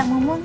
satu dua tiga